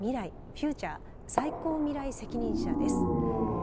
フューチャー最高未来責任者です。